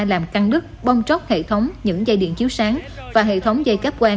làm căng đứt bong chóc hệ thống những dây điện chiếu sáng và hệ thống dây cáp quang